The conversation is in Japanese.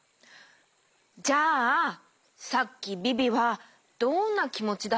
じゃあさっきビビはどんなきもちだったとおもう？